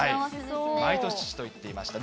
毎年父と行っていました。